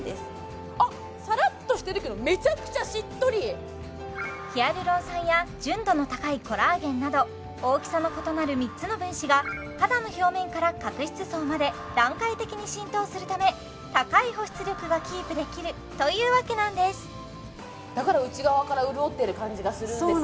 はいさらに実はヒアルロン酸や純度の高いコラーゲンなど大きさの異なる３つの分子が肌の表面から角質層まで段階的に浸透するため高い保湿力がキープできるというわけなんですそうなんですよ